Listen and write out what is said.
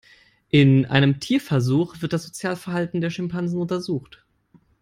In einem Tierversuch wird das Sozialverhalten der Schimpansen untersucht.